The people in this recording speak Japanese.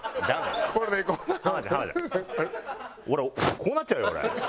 こうなっちゃうよ俺。